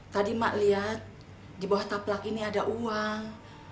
tadi mak lihat di bawah taplak ini ada uang